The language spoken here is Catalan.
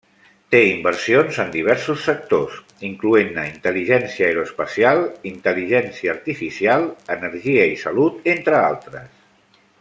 Té inversions en diversos sectors, incloent-ne intel·ligència aeroespacial, intel·ligència artificial, energia i salut, entre altres.